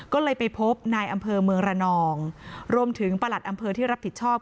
ก็เลยไปพบนายอำเภอเมืองระนองรวมถึงประหลัดอำเภอที่รับผิดชอบ